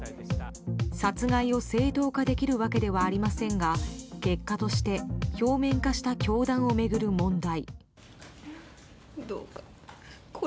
殺害を正当化できるわけではありませんが結果として表面化した教団を巡る問題。